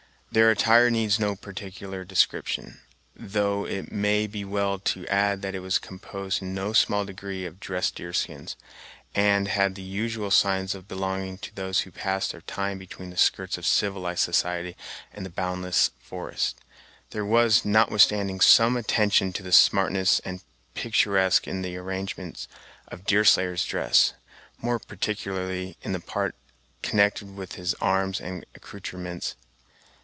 Their attire needs no particular description, though it may be well to add that it was composed in no small degree of dressed deer skins, and had the usual signs of belonging to those who pass their time between the skirts of civilized society and the boundless forests. There was, notwithstanding, some attention to smartness and the picturesque in the arrangements of Deerslayer's dress, more particularly in the part connected with his arms and accoutrements.